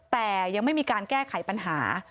แต่ยังไม่มีการแก้ไขปัญหา